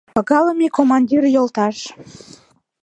«Пагалыме командир йолташ!